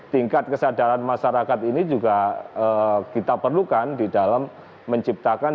tingkat kesadaran masyarakat ini juga kita perlukan di dalam menciptakan